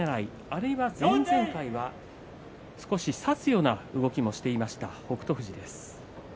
あるいは少し差すような動きもしていた北勝富士です。